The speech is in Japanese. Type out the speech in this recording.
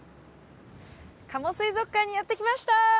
加茂水族館にやって来ました。